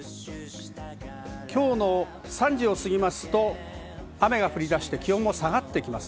今日の３時をすぎると、雨が降り出して気温も下がってきます。